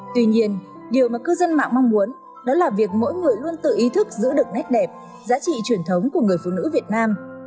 tuy nhiên điều mà cư dân mạng mong muốn đó là việc mỗi người luôn tự ý thức giữ được nét đẹp giá trị truyền thống của người phụ nữ việt nam